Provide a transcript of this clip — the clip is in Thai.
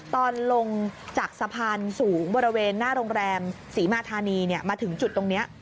ตอนลงจากสะพานสูงบริเวณหน้าโรงแรมศรีมาธานีมาถึงจุดตรงนี้